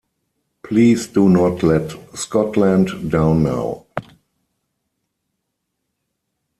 Please do not let Scotland down now.